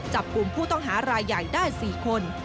จับกลุ่มผู้ต้องหารายใหญ่ได้๔คน